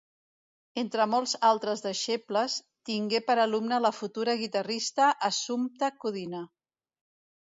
Entre molts altres deixebles, tingué per alumna la futura guitarrista Assumpta Codina.